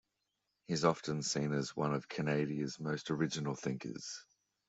He is often seen as one of Canada's most original thinkers.